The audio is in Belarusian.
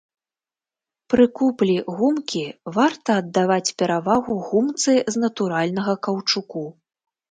Пры куплі гумкі варта аддаваць перавагу гумцы з натуральнага каўчуку.